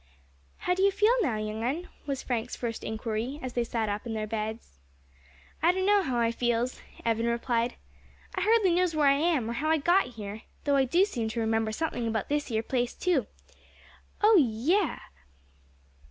"How do you feel now, young un?" was Frank's first inquiry as they sat up in their beds. "I dunno how I feels," Evan replied. "I hardly knows where I am, or how I got here, though I do seem to remember something about this 'ere place too. Oh yes!"